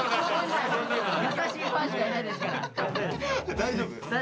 大丈夫？